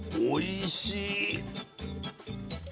おいしい。